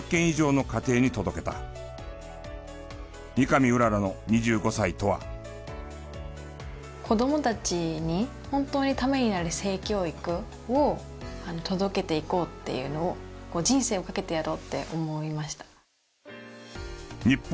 カラフルなイラストで子どもたちに本当にためになる性教育を届けていこうっていうのを人生をかけてやろうって思いました。